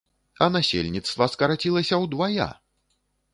А насельніцтва скарацілася ўдвая!